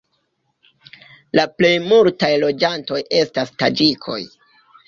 La plejmultaj loĝantoj estas taĝikoj.